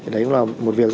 đấy cũng là một việc rất là